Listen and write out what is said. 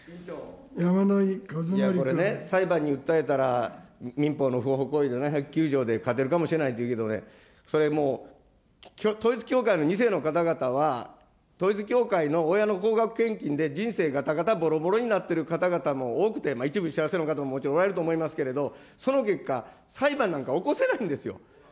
いや、これね、裁判に訴えたら、民法の不法行為７０９条で勝てるかもしれないというけどね、それもう、統一教会の２世の方々は、統一教会の親の高額献金で人生がたがたぼろぼろになっている方々も多くて、一部幸せな方ももちろんおられると思いますけれども、その結果、裁判なんか起こせないんですよ。